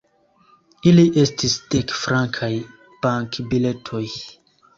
Ili estis dekfrankaj bankbiletoj.